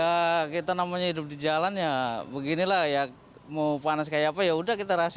ya kita namanya hidup di jalan ya beginilah ya mau panas kayak apa yaudah kita rasain